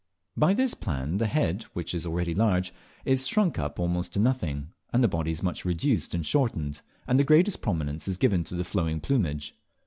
By this plan the head, which is really large, is shrunk up almost to nothing, the body is much reduced and shortened, and the greatest prominence is given to the flowing plumage.